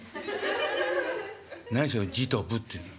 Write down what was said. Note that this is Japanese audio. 「何そのじとぶっていうの」。